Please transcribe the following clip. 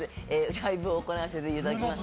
ライブを行わせていただきます。